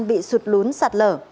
bị sụt lún sạt lở